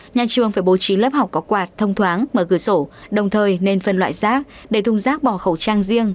nhà trường phải bố trí lớp học có quạt thông thoáng mở cửa sổ đồng thời nên phân loại rác để thùng rác bỏ khẩu trang riêng